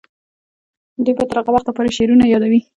دوی به تر هغه وخته پورې شعرونه یادوي.